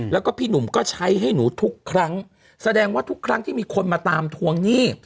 แล้วก็พี่หนุ่มก็ใช้ให้หนูทุกครั้งแสดงว่าทุกครั้งที่มีคนมาตามทวงหนี้